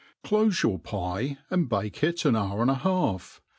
Clofe your pie, and bake it an hqur and a half.